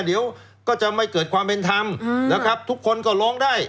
เดี๋ยวก็จะไม่เกิดความเป็นธรรมนะครับทุกคนก็ร้องได้